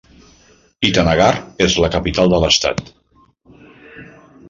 Itanagar és la capital de l'estat.